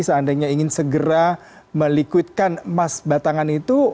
seandainya ingin segera melikutkan emas batangan itu